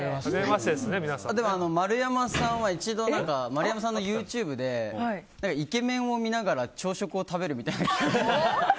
でも、丸山さんは一度丸山さんのＹｏｕＴｕｂｅでイケメンを見ながら朝食を食べるみたいな。